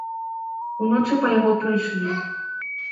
Уночы па яго прыйшлі.